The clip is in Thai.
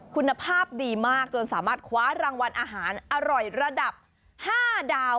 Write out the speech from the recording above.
คุณภาพดีมากจนสามารถคว้ารางวัลอาหารอร่อยระดับ๕ดาว